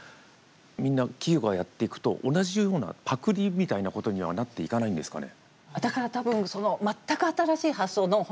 みんな企業がやっていくと同じようなパクリみたいなことにはなっていかないんですかね？